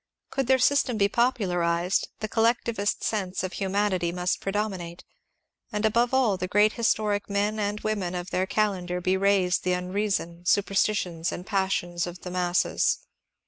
Could their system be popularized the coUectivist sense of ^^ humanity " must predominate, and above all the great his toric men and women of their calendar be raised the unrea son, superstitions, and passions of the masses.